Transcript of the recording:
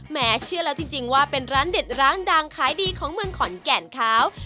แม้เชื่อแล้วจริงว่าเป็นร้านเด็ดร้านดังขายดีของเมืองขอนแก่นเขา